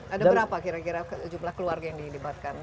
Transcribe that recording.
ada berapa kira kira jumlah keluarga yang dilibatkan